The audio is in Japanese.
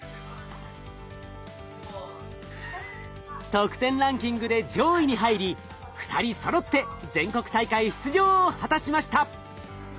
得点ランキングで上位に入り２人そろって全国大会出場を果たしました。